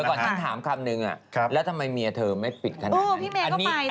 ก่อนฉันถามคำนึงแล้วทำไมเมียเธอไม่ปิดขนาดนี้